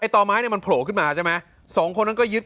ต่อไม้เนี่ยมันโผล่ขึ้นมาใช่ไหมสองคนนั้นก็ยึด